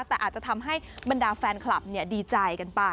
แต่อาจจะทำให้บรรดาแฟนคลับดีใจกันไป